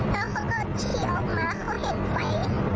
แล้วเค้าก็ขี่ออกมาเค้าเห็นไว้